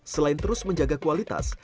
selain terus menjaga kualitas